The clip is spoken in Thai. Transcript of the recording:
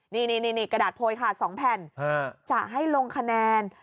นี่นี่นี่กระดาษโพยค่ะสองแผ่นจะให้ลงคะแนน